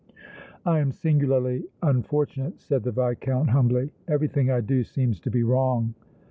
"I am singularly unfortunate," said the Viscount, humbly. "Everything I do seems to be wrong."